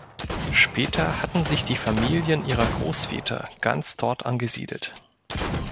Später hatten sich die Familien ihrer Großväter ganz dort angesiedelt.